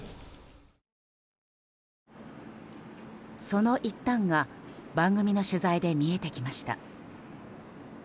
その一端が番組の取材で見えてきました。